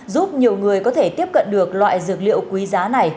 giúp nhiều người có thể tiếp cận được loại dược liệu quý giá này